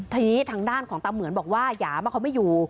ทีนี้ทางด้านของตาเหมือนบอกว่าหยามเขาไม่อยู่